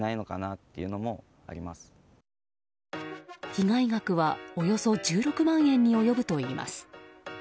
被害額はおよそ１６万円に及ぶといいます。